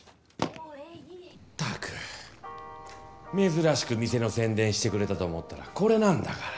ったく珍しく店の宣伝してくれたと思ったらこれなんだから。